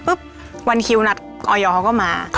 วันคิวนัดออยเขาก็มา